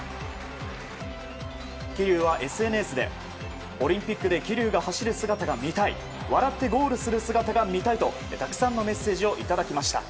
桐生は、ＳＮＳでオリンピックで桐生が走る姿が見たい笑ってゴール姿が見たいとたくさんのメッセージをいただきました。